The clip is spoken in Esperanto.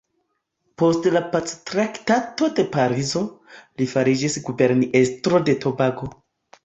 Post la Pactraktato de Parizo, li fariĝis guberniestro de Tobago.